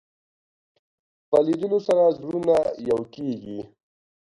په لیدلو سره زړونه یو کېږي